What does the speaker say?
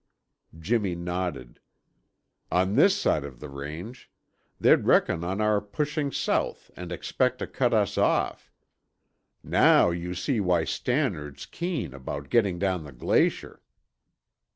Jimmy nodded. "On this side of the range; they'd reckon on our pushing south and expect to cut us off. Now you see why Stannard's keen about getting down the glacier!"